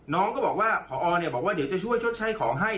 น้องก็บอกว่าพอบอกว่าเดี๋ยวจะช่วยชดใช้ของให้